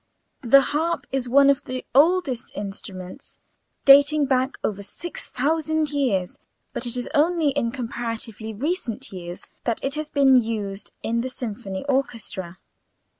The harp is one of the oldest of instruments (dating back over 6000 years), but it is only in comparatively recent years that it has been used in the symphony orchestra.